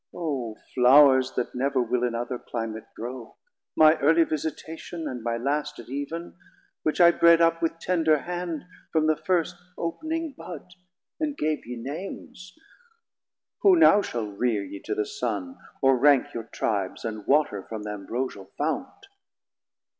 O flours, That never will in other Climate grow, My early visitation, and my last At Eev'n, which I bred up with tender hand From the first op'ning bud, and gave ye Names, Who now shall reare ye to the Sun, or ranke Your Tribes, and water from th' ambrosial Fount?